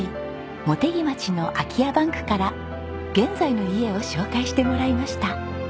茂木町の空き家バンクから現在の家を紹介してもらいました。